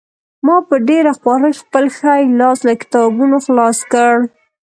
ما په ډېره خوارۍ خپل ښی لاس له کتابونو خلاص کړ